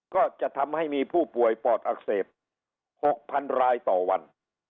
ก็จะทำให้มีผู้ป่วยปอดอักเสบ๖๐๐๐รายต่อวัน